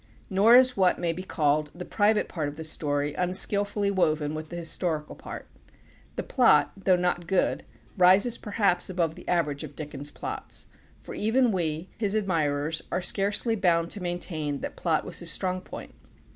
Nor is what may be called the private part of the story unskilfully woven with the historical part. The plot, though not good, rises perhaps above the average of Dickens' plots; for even we, his admirers, are scarcely bound to maintain that plot was his strong point.